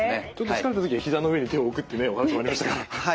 疲れた時には膝の上に手を置くってねお話もありましたから。